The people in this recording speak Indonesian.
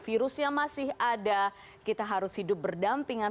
virusnya masih ada kita harus hidup berdampingan